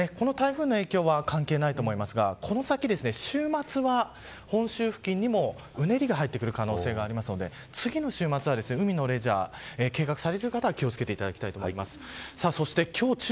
この台風の影響は関係ないと思いますが週末は本州付近にもうねりが入ってくる可能性がありますので次の週末は、海のレジャーを計画されている方は気を付けていただきたいと思います。